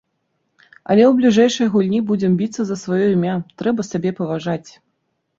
Але ў бліжэйшай гульні будзем біцца за сваё імя, трэба сябе паважаць.